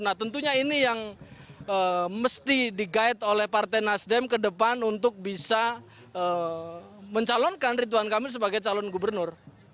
nah tentunya ini yang mesti di guide oleh partai nasdem ke depan untuk bisa mencalonkan rituan kamil sebagai calon gubernur